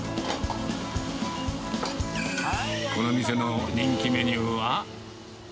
この店の人気メニューは。